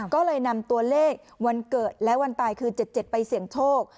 ก็เลยนำตัวเลขวันเกิดและวันตายคือ๗๗ไปเสี่ยงโชค